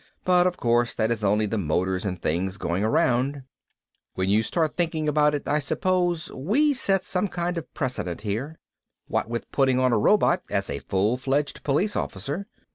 But, of course, that is only the motors and things going around. When you start thinking about it, I suppose we set some kind of precedent here. What with putting on a robot as a full fledged police officer.